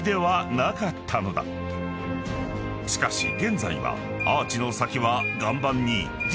［しかし現在はアーチの先は］